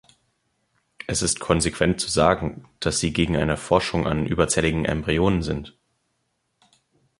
Es ist konsequent zu sagen, dass Sie gegen eine Forschung an überzähligen Embryonen sind.